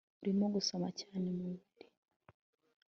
urimo gusoma cyane muribi